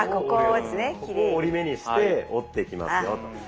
ここを折り目にして折っていきますよと。